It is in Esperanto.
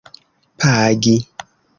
pagi